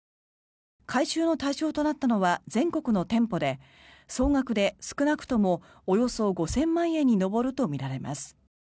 回収の対象となったのは全国の店舗で総額で少なくともおよそ５０００万円に上るとみられます。